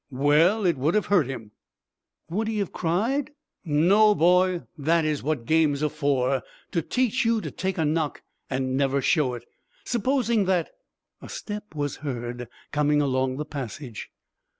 "Well, it would have hurt him." "Would he have cried?" from Dimples. "No, boy. That is what games are for, to teach you to take a knock and never show it. Supposing that " A step was heard coming along the passage.